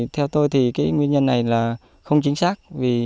theo tôi thì cái nguyên nhân này là không chính xác